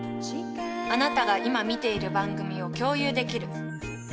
あなたが今見ている番組を共有できる。